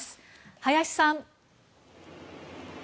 林さん。